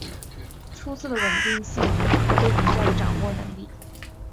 出色的稳定性和对比赛的掌控能力。